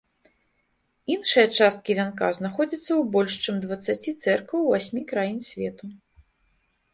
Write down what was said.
Іншыя часткі вянка знаходзяцца ў больш чым дваццаці цэркваў у васьмі краін сусвету.